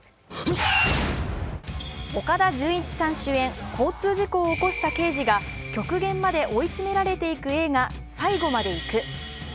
岡田准一さん主演、交通事故を起こした刑事が極限まで追い詰められていく映画「最後まで行く」。